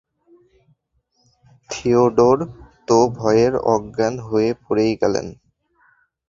Theodore তো ভয়ে অজ্ঞান হয়ে পড়েই গেলেন।